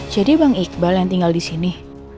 jadi bang iqbal yang tinggal disini